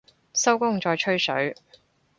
收工再吹水